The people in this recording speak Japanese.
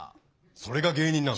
それが芸人なの？